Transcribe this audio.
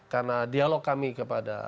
karena dialog kami kepada